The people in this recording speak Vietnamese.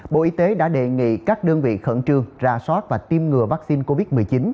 bộ y tế đã đề nghị các đơn vị khẩn trương ra soát và tiêm ngừa vaccine covid một mươi chín